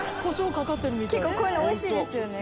結構こういうの美味しいですよね。